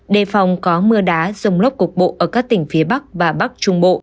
đề phòng có mưa đá rông lốc cục bộ ở các tỉnh phía bắc và bắc trung bộ